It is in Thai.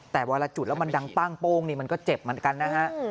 แต่วันละจุดแล้วมันดังปั้งโป้งนี่มันก็เจ็บเหมือนกันนะฮะ